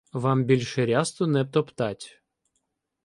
Вам більше рясту не топтать!